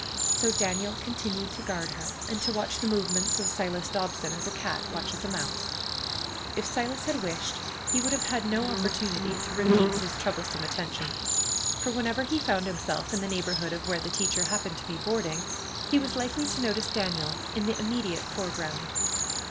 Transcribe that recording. So Daniel continued to guard her, and to watch the movements of Silas Dobson as a cat watches a mouse. If Silas had wished, he would have had no opportunity to repeat his troublesome attentions, for whenever he found himself in the neighborhood of where the teacher happened to be boarding, he was likely to notice Daniel in the immediate foreground.